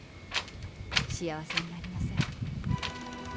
幸せになりなさい。